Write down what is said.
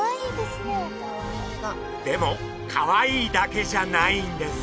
でもかわいいだけじゃないんです。